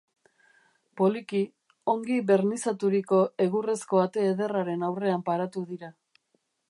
Poliki, ongi bernizaturiko egurrezko ate ederraren aurrean paratu dira.